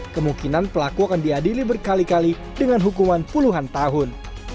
kemungkinan pelaku akan diadili berkali kali dengan hukuman puluhan tahun